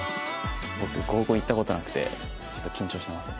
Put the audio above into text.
僕合コン行った事なくてちょっと緊張してますね。